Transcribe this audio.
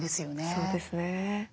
そうですね。